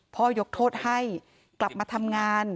ยกโทษให้กลับมาทำงาน